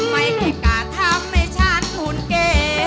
ไม่ใช่การทำให้ฉันหุ่นเก๋